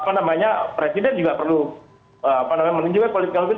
presiden juga perlu menunjukkan political will